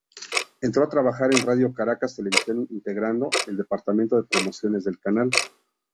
Entró a trabajar en Radio Caracas Televisión integrando el departamento de Promociones del canal.